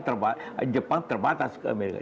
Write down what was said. jepang terbatas ke amerika